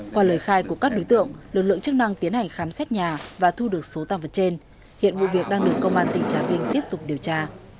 qua lời khai của các đối tượng lực lượng chức năng tiến hành khám xét nhà và thu được số tăng vật trên hiện vụ việc đang được công an tỉnh trà vinh tiếp tục điều tra